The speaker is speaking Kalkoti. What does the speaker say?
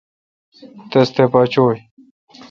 تس تھہ پہ چو°ی۔